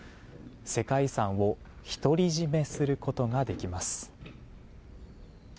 世界遺産を独り占めすることができます。